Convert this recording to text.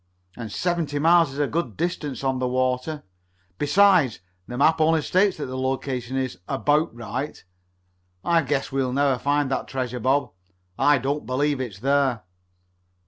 And seventy miles is a good distance on the water. Besides, the map only states that the location is 'about' right. I guess we'll never find that treasure, Bob. I don't believe it's there."